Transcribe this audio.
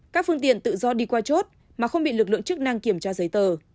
các phương tiện tự do đi qua chốt mà không bị lực lượng chức năng kiểm tra giấy tờ